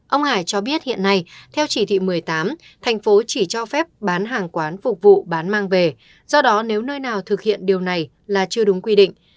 ông hải cho biết hiện nay theo chỉ thị một mươi tám thành phố chỉ cho phép bán hàng quán phục vụ bán mang về do đó nếu nơi nào thực hiện điều này là chưa đúng quy định